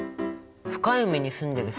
深い海に住んでる